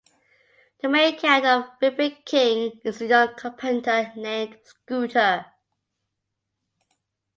The main character of "Ribbit King" is a young carpenter named Scooter.